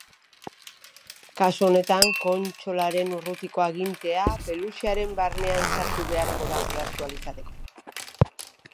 Kasu honetan kontsolaren urrutiko agintea peluxearen barnean sartu beharko da jolastu ahal izateko.